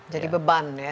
jadi beban ya